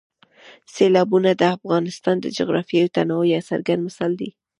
سیلابونه د افغانستان د جغرافیوي تنوع یو څرګند مثال دی.